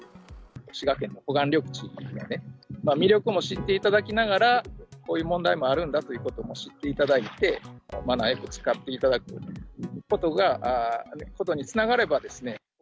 滋賀県の湖岸緑地のね、魅力も知っていただきながら、こういう問題もあるんだということも知っていただいて、マナーよく使っていただくことにつながれば。